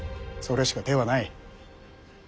それしか手はない。